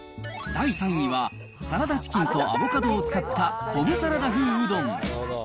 第３位は、サラダチキンとアボカドを使ったコブサラダ風うどん。